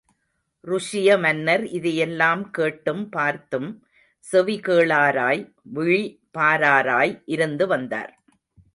ருஷிய மன்னர் இதையெல்லாம் கேட்டும், பார்த்தும், செவிகேளாராய், விழி பாராராய் இருந்து வந்தார்.